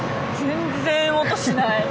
全然音しない。